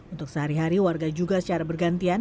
untuk sehari hari warga juga secara bergantian